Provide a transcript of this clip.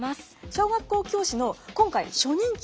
小学校教師の今回初任給